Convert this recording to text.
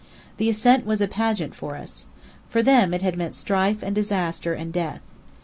The ascent was a pageant for us. For them it had meant strife and disaster and death.